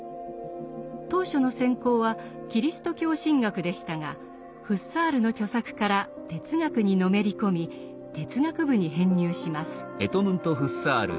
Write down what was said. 当初の専攻はキリスト教神学でしたがフッサールの著作から哲学にのめり込み哲学部に編入します。